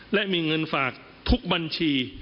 และมีเงินฝากทุกบัญชี